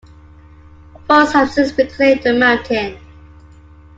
Forests have since reclaimed the mountain.